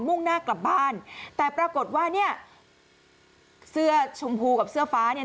มุ่งหน้ากลับบ้านแต่ปรากฏว่าเสื้อชมพูกับเสื้อฟ้า